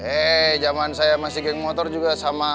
eh zaman saya masih geng motor juga sama